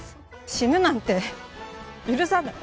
死ぬなんて許さない。